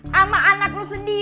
sama anak anaknya sujon